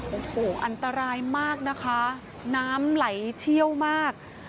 โอ้โหอันตรายมากนะคะน้ำไหลเชี่ยวมาก